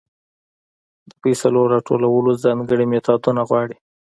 د فصلو راټولول ځانګړې میتودونه غواړي.